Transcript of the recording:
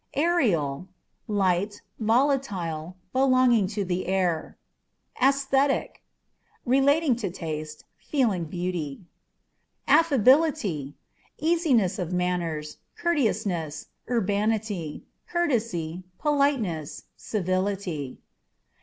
Aerial â€" light, volatile ; belonging to the air. ^Esthetic â€" relating to taste, feeling beauty. Affabilityâ€" easiness of manners, courteousness, urbanity, courtesy, politeness, civility.